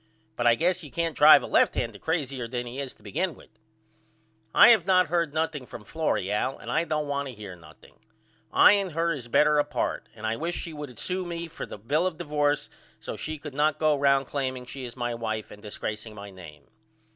But I guess you can't drive a left hander crazyer than he is to begin with. I have not heard nothing from Florrie Al and I don't want to hear nothing. I and her is better apart and I wish she would sew me for a bill of divorce so she could not go round claiming she is my wife and disgraceing my name.